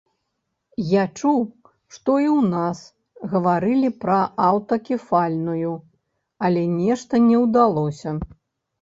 Я чуў, што і ў нас гаварылася пра аўтакефальную, але нешта не ўдалося.